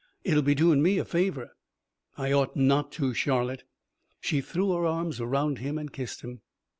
It'll be doin' me a favor." "I ought not to, Charlotte." She threw her arms around him and kissed him.